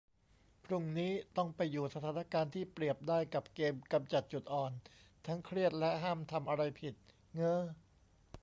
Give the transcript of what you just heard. พรุ่งนี้ต้องไปอยู่สถานการณ์ที่เปรียบได้กับเกมกำจัดจุดอ่อน ทั้งเครียดและห้ามทำอะไรผิด เง้อ